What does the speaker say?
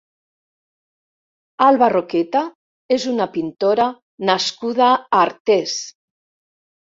Alba Roqueta és una pintora nascuda a Artés.